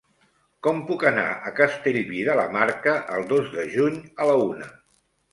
Com puc anar a Castellví de la Marca el dos de juny a la una?